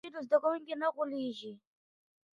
که پوهه وي نو زده کوونکی نه غولیږي.